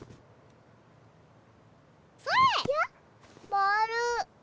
ボール！